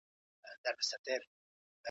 ایا ملي بڼوال جلغوزي اخلي؟